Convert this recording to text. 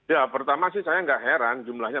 ya pertama sih saya nggak heran jumlahnya